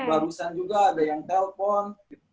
barusan juga ada yang telpon